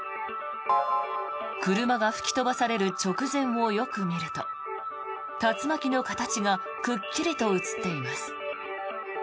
車が吹き飛ばされる直前をよく見ると竜巻の形がくっきりと映っています。